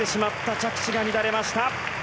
着地が乱れました。